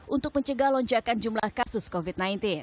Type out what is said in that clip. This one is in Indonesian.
untuk mencegah lonjakan jumlah kasus covid sembilan belas